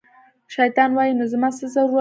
شیطان وایي، نو زما څه ضرورت دی